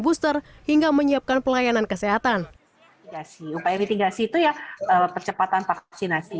booster hingga menyiapkan pelayanan kesehatan ya sih upaya mitigasi itu ya percepatan vaksinasi